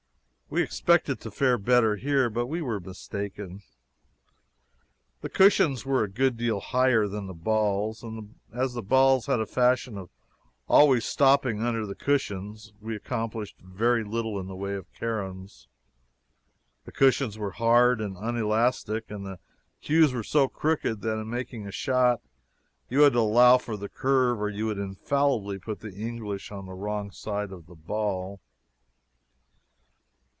We expected to fare better here, but we were mistaken. The cushions were a good deal higher than the balls, and as the balls had a fashion of always stopping under the cushions, we accomplished very little in the way of caroms. The cushions were hard and unelastic, and the cues were so crooked that in making a shot you had to allow for the curve or you would infallibly put the "English" on the wrong side of the ball.